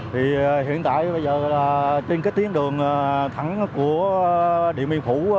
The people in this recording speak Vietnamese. thì hiện tại bây giờ trên cái tuyến đường thẳng của địa miền phủ